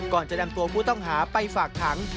ก่อนจะนำตัวผู้ต้องหาไปฝากขัง